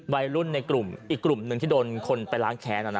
วัยรุ่นในกลุ่มอีกกลุ่มหนึ่งที่โดนคนไปล้างแค้น